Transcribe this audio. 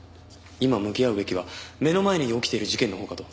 今向き合うべきは目の前に起きている事件のほうかと。